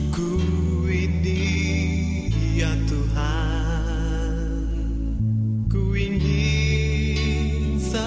kiranya tuhan memberkati kita semua